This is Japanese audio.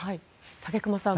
武隈さん